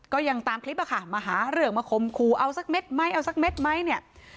ตามคลิปอะค่ะมาหาเรื่องมาคมครูเอาสักเม็ดไหมเอาสักเม็ดไหมเนี่ย